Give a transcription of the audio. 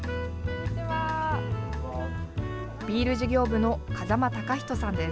ビール事業部の風間貴仁さんです。